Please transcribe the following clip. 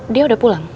dia udah pulang